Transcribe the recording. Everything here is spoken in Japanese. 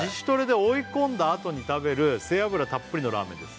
「追い込んだあとに食べる背脂たっぷりのラーメンです」